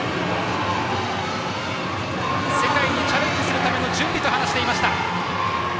世界にチャレンジするための準備と話していました。